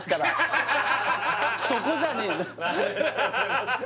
そこじゃねえんだ